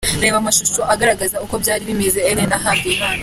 Reba amashusho agaragaza uko byari bimeze Ellen ahabwa iyi mpano.